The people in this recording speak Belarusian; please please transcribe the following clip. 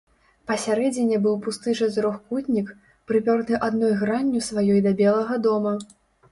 Пасярэдзіне быў пусты чатырохкутнік, прыпёрты адной гранню сваёй да белага дома.